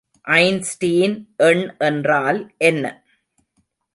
Einstein எண் என்றால் என்ன?